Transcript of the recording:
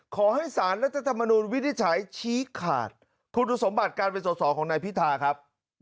ขอให้สารรัฐธรรมนูลวิทยาชายชี้ขาดคุณธุสมบัติการเป็นสอสอของนายพิธาริมเจริญรัตน์เนี่ยครับ